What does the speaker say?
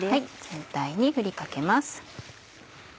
全体に振りかけます。